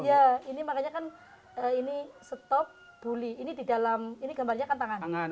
iya makanya kan ini stop buli ini gambarnya kan tangan